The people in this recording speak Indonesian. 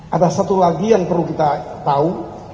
ada satu lagi yang perlu kita tahu